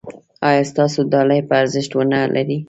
ایا ستاسو ډالۍ به ارزښت و نه لري؟